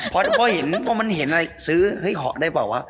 เพราะมันเห็นอะไรซื้อห่อได้ป่ะวะ